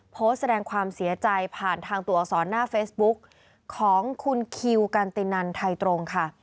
โพสต์แสดงความเสียใจผ่านทางตัวอักษรหน้าเฟซบุ๊กของคุณคิวกันตินันไทยตรงค่ะ